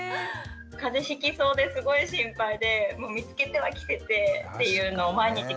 風邪ひきそうですごい心配で見つけては着せてっていうのを毎日繰り返してました。